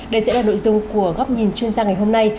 đây sẽ là nội dung của góc nhìn chuyên gia ngày hôm nay